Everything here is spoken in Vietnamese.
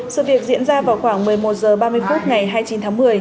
sự việc diễn ra vào khoảng một mươi một h ba mươi phút ngày hai mươi chín tháng một mươi